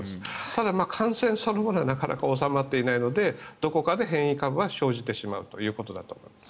ただ、感染そのものがなかなか収まっていないのでどこかで変異株が生じてしまうということだと思います。